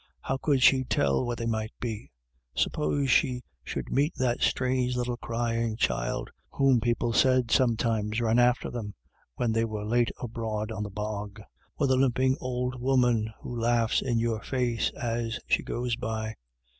How could she tell what they might be ? Suppose she should meet that strange little crying child, whom people said sometimes ran after them when they were late abroad on the bog ? Or the limping old woman, who laughs in your face as she goes by